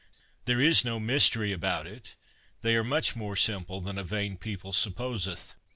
There is no mystery about it ; they are much more simple than a vain people supposeth.